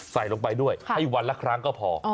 ใส่ลงไปด้วยให้วันละครั้งก็พอ